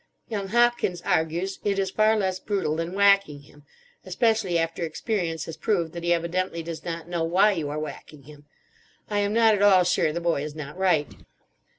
Young Hopkins argues it is far less brutal than whacking him, especially after experience has proved that he evidently does not know why you are whacking him. I am not at all sure the boy is not right.